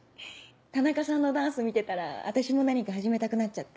田中さんのダンス見てたら私も何か始めたくなっちゃって。